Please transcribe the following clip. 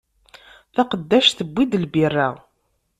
Taqeddact tewwi-d lbira.